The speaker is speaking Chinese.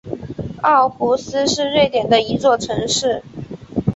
奥胡斯是瑞典的一座城市。